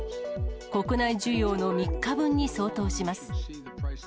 国内需要の３日分に相当します。